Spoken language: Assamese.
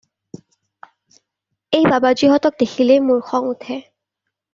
এই বাবাজীহঁতক দেখিলেই মোৰ খং উঠে।